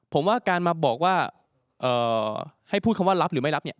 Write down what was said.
ผมว่าการมาบอกว่าให้พูดคำว่ารับหรือไม่รับเนี่ย